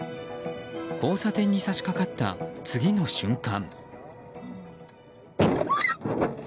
交差点に差しかかった次の瞬間。